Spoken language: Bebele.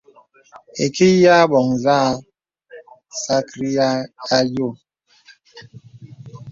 Ìki yə î bɔ̀ŋ nzâ sàkryāy ayò.